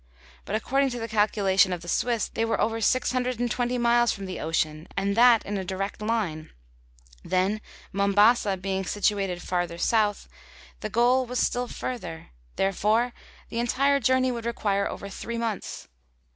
But according to the calculation of the Swiss they were over six hundred and twenty miles from the ocean, and that in a direct line; then Mombasa being situated farther south, the goal was still further; therefore, the entire journey would require over three months.